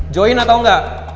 join atau nggak